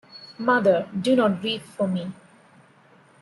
Mother, do not grieve for me.